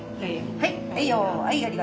はい。